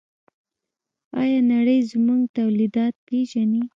آیا نړۍ زموږ تولیدات پیژني؟